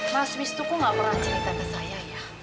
mas wisto kok gak pernah cerita ke saya ya